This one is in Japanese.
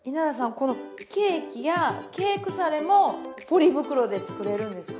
このケーキやケークサレもポリ袋で作れるんですか？